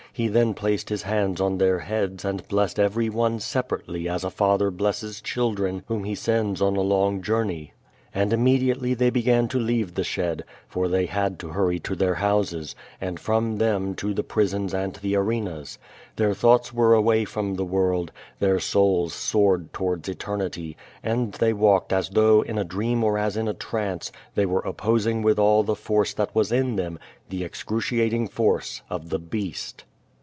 He then placed his hands on their heads and blessed every one separately as a father blesses children whom he sends on a long journey. And immediately they began to leave the shed, for they had to hurry to their houses, and f rou; them to the prisons and the 3^ QUO TADIB. arenas. Their thoughts were away from the world, their souls soared towards eternity, and they walked as though in a dream or as in a trance, they were opposing with all the force that was in them, the excruciating force of the ^*Beast."